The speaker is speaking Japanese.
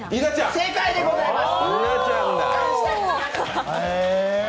正解でございます。